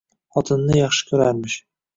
Xotinini yaxshi ko`rarmish